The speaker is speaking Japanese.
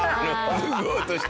脱ごうとして。